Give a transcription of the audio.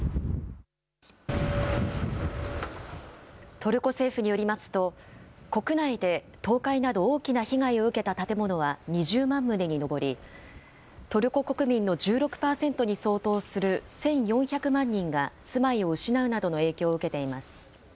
トルコ政府によりますと、国内で倒壊など大きな被害を受けた建物は２０万棟に上り、トルコ国民の１６％に相当する１４００万人が住まいを失うなどの影響を受けています。